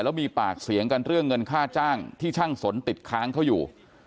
แล้วมีปากเสียงกันเรื่องเงินค่าจ้างที่ช่างสนติดค้างเขาอยู่